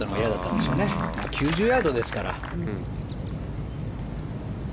まあ、９０ヤードですから。